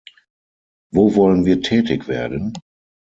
Wo wollen wir tätig werden?